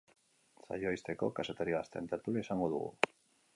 Saioa ixteko, kazetari gazteen tertulia izango dugu.